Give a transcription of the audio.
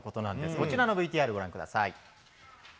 こちらのＶＴＲご覧ください。